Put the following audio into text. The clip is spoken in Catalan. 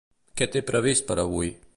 Què té previst per a avui?